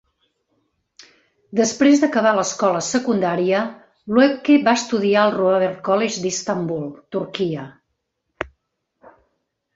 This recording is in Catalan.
Després d'acabar l'escola secundària, Luebke va estudiar al Robert College d'Istambul (Turquia).